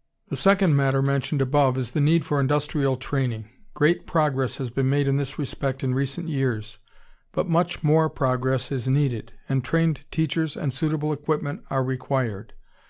] The second matter mentioned above is the need for industrial training. Great progress has been made in this respect in recent years, but much more progress is needed, and trained teachers and suitable equipment are required.